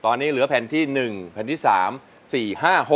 ตอนนี้เหลือแผ่นที่๑แผ่นที่๓๔๕๖